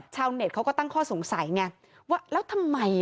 เน็ตเขาก็ตั้งข้อสงสัยไงว่าแล้วทำไม